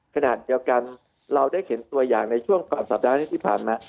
ขณะเดียวกันเราได้เห็นตัวอย่างในช่วงก่อนสัปดาห์ที่ผ่านมา